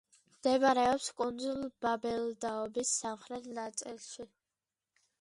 მდებარეობს კუნძულ ბაბელდაობის სამხრეთ ნაწილში.